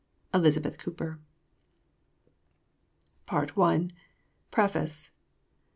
Elizabeth Cooper. Part 1. Preface_.